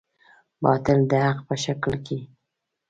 باطل د حق په شکل کې.